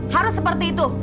harus seperti itu